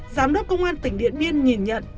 giám đốc công an tỉnh điện biên nhìn nhận